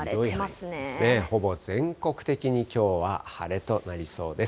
ほぼ全国的にきょうは晴れとなりそうです。